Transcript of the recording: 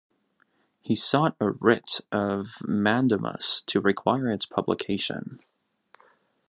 He sought a writ of mandamus to require its publication.